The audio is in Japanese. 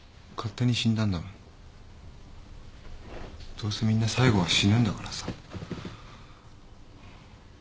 どうせみんな最後は死ぬんだからさ。